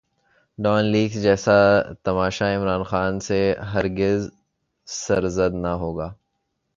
Dawn Leaks جیسا تماشا عمران خان سے ہر گز سرزد نہ ہوگا۔